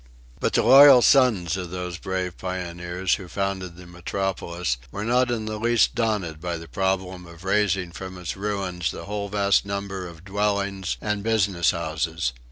But the loyal sons of those brave pioneers who founded the metropolis were not in the least daunted by the problem of raising from its ruins the whole vast number of dwellings and business houses.